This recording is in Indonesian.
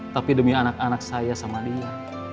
tapi demi anak anak saya sama dia